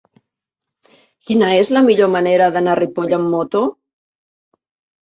Quina és la millor manera d'anar a Ripoll amb moto?